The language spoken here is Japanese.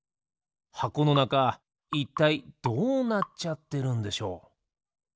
はこのなかいったいどうなっちゃってるんでしょう？